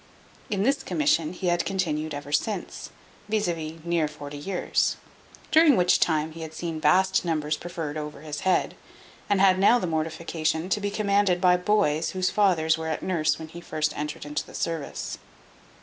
In this commission he had continued ever since, viz., near forty years; during which time he had seen vast numbers preferred over his head, and had now the mortification to be commanded by boys, whose fathers were at nurse when he first entered into the service.